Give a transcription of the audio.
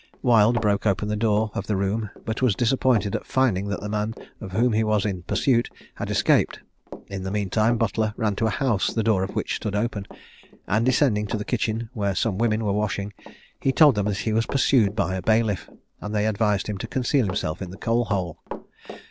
Wild broke open the door of the room, but was disappointed at finding that the man of whom he was in pursuit had escaped. In the meantime Butler ran into a house the door of which stood open, and descending to the kitchen, where some women were washing, told them he was pursued by a bailiff, and they advised him to conceal himself in the coal hole.